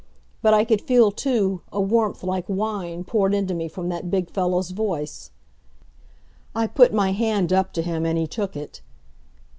But I could feel, too, a warmth like wine poured into me from that big fellow's voice. I put my hand up to him and he took it.